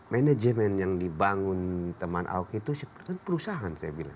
manajemen yang dibangun teman aho itu perusahaan saya bilang